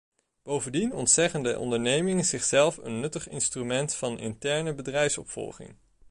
Bovendien ontzeggen de ondernemingen zichzelf een nuttig instrument van interne bedrijfsopvolging.